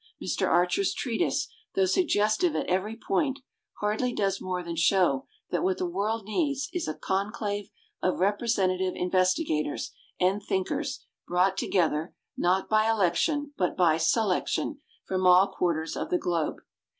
Mr. Archer's treatise, though suggestive at every point, hardly does more than show that what the world needs is a "con clave of representative investigators and thinkers brought together, not by election but by selection, from all quar ters of the globe".